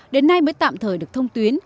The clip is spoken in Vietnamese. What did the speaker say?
đến nay mới tạm thời được thông tuyến